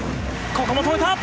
ここも止めた。